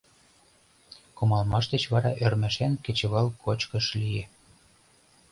Кумалмаш деч вара ӧрмашан кечывал кочкыш лие.